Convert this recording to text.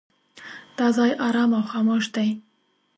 دا ځای ارام او خاموش دی.